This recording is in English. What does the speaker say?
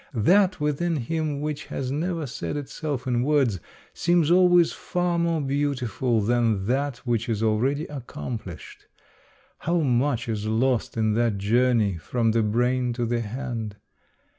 That within him which has never said itself in words seems always far more beautiful than that which is already accomplished. How much is lost in that journey from the brain to the hand